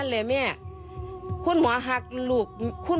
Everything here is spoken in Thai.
แม่จะมาเรียกร้องอะไร